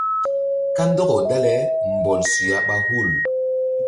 Kandɔkaw dale mbɔl suya ɓa hul.